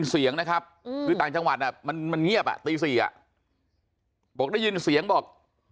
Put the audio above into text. เสียงนะครับคือต่างจังหวัดมันเงียบตี๔บอกได้ยินเสียงบอก